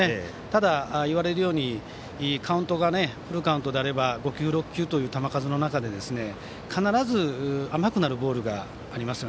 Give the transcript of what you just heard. ただ、言われるようにカウントがフルカウントであれば５球、６球という球数の中で必ず甘くなるボールがあります。